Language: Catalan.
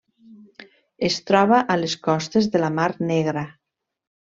Es troba a les costes de la Mar Negra.